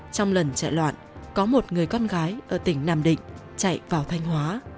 trong lần chạy loạn có một người con gái ở tỉnh nam định chạy vào thanh hóa